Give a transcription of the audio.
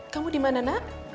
kamu di mana nak